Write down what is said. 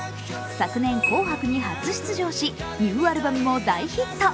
昨年、「紅白」に初出場し、ミニアルバムも大ヒット。